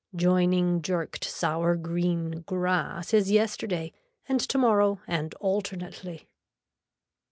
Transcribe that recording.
Joining jerked sour green grass is yesterday and tomorrow and alternately.